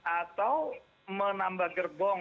atau menambah gerbong